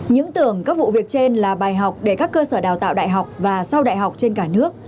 những tưởng các vụ việc trên là bài học để các cơ sở đào tạo đại học và sau đại học trên cả nước